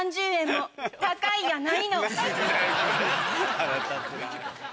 腹立つな。